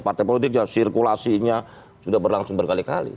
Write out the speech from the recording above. partai politik yang sirkulasinya sudah berlangsung berkali kali